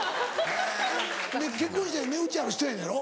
結婚して値打ちある人やのやろ？